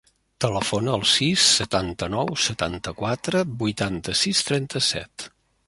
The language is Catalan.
Telefona al sis, setanta-nou, setanta-quatre, vuitanta-sis, trenta-set.